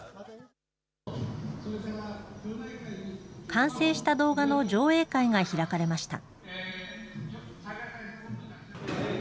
完成した動画の上映会が開かれました。